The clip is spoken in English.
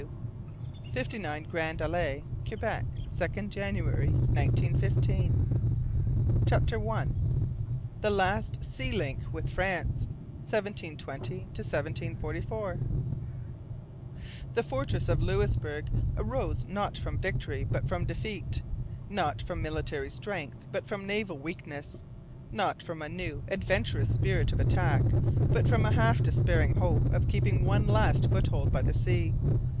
W. W. 59 GRANDE ALLEE, QUEBEC, 2nd January 1915. CHAPTER I THE LAST SEA LINK WITH FRANCE 1720 1744 The fortress of Louisbourg arose not from victory but from defeat; not from military strength but from naval weakness; not from a new, adventurous spirit of attack, but from a half despairing hope of keeping one last foothold by the sea.